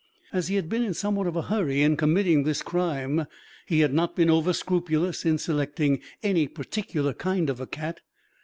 As he had been in somewhat of a hurry in committing this crime, he had not been over scrupulous in selecting any particular kind of a cat.